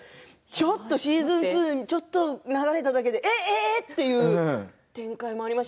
シーズン２ちょっと流れただけでええ？という展開もありました。